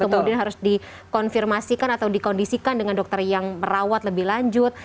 kemudian harus dikonfirmasikan atau dikondisikan dengan dokter yang merawat lebih lanjut